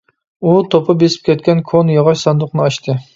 ئۇ توپا بېسىپ كەتكەن كونا ياغاچ ساندۇقنى ئاچتى.